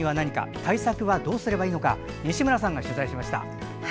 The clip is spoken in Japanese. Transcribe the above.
対策はどうすればいいのか西村さんが取材しました。